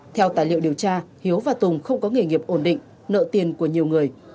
theo tài liệu điều tra hiếu và tùng không có nghề nghiệp ổn định nợ tiền của nhiều người